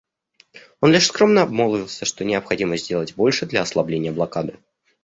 Он лишь скромно обмолвился, что необходимо сделать больше для ослабления блокады.